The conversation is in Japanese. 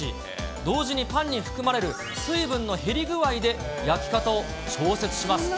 同時にパンに含まれる水分の減り具合で、焼き方を調節します。